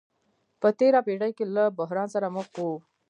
په تېره پېړۍ کې له بحران سره مخ وو.